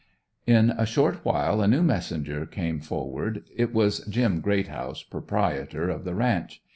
In a short while a new messenger came forward. It was "Jim" Greathouse, proprietor of the ranch.